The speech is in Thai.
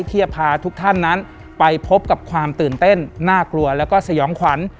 ที่จะพาทุกท่านนั้นไปพบกับความตื่นเต้นน่ากลัวแล้วก็สยองขวัญ